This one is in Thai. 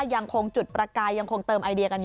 ยังคงจุดประกายยังคงเติมไอเดียกันอยู่